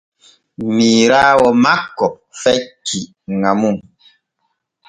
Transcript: Miiraawo makko fecci ŋa mum.